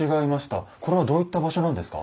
これどういった場所なんですか？